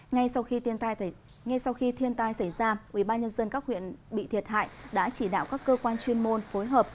ngay sau khi thiên tai xảy ra ubnd các huyện bị thiệt hại đã chỉ đạo các cơ quan chuyên môn phối hợp